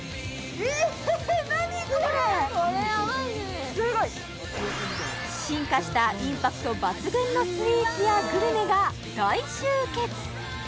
すごいこれヤバいねすごい！進化したインパクト抜群のスイーツやグルメが大集結